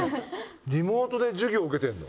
リモートで授業受けてるの？